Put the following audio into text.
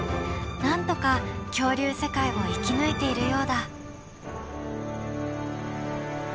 なんとか恐竜世界を生き抜いているようだ。